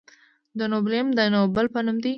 د نوبلیوم د نوبل په نوم دی.